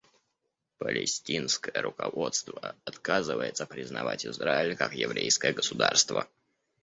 Палестинское руководство отказывается признавать Израиль как еврейское государство.